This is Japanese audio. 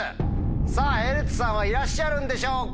さぁヘルツさんはいらっしゃるんでしょうか？